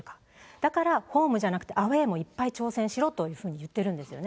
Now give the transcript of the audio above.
だからホームじゃなくてアウエーもいっぱい挑戦しろと言ってるんですよね。